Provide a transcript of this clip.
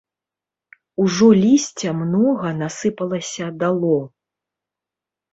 Ужо лісця многа насыпалася дало.